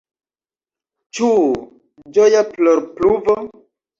Ĉu ĝoja plorpluvo?